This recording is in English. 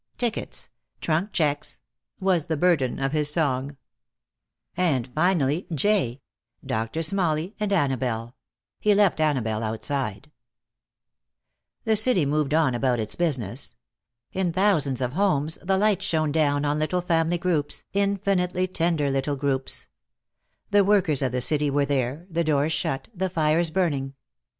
Tickets. Trunk checks," was the burden of his song. (j) Doctor Smalley and Annabelle. He left Annabelle outside. The city moved on about its business. In thousands of homes the lights shone down on little family groups, infinitely tender little groups. The workers of the city were there, the doors shut, the fires burning.